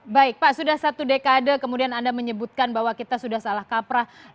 baik pak sudah satu dekade kemudian anda menyebutkan bahwa kita sudah salah kaprah